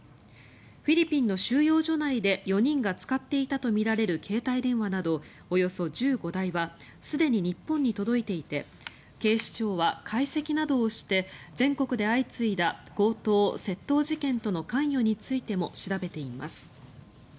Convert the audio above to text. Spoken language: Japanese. フィリピンの収容所内で４人が使っていたとみられる携帯電話などおよそ１５台はすでに日本に届いていて警視庁は解析などをして全国で相次いだ強盗・窃盗事件との関与についても調べています。